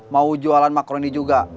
mau jualan makroni juga